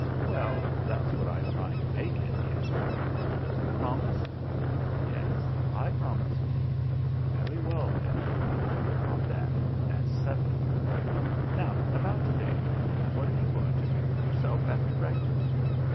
"Well, that's what I am trying to make it," he answered. "Will you promise?" "Yes, I promise." "Very well, then, I look on that as settled. Now, about to day. What are you going to do with yourself after breakfast?"